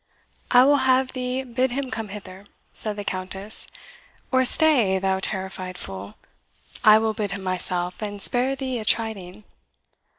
"I will have thee bid him come hither," said the Countess; "or stay, thou terrified fool, I will bid him myself, and spare thee a chiding."